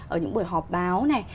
ở những buổi họp báo này